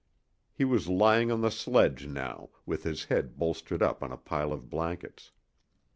He was lying on the sledge now, with his head bolstered up on a pile of blankets.